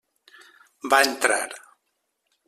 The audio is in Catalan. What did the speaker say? Va entrar.